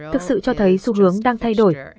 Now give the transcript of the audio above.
thực sự cho thấy xu hướng đang thay đổi